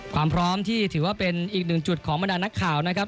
ความพร้อมที่ถือว่าเป็นอีกหนึ่งจุดของบรรดานักข่าวนะครับ